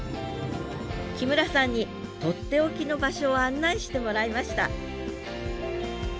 木村さんにとっておきの場所を案内してもらいました